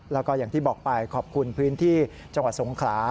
แล้วก็อย่างที่บอกไปขอบคุณพื้นที่จังหวัดสงขลา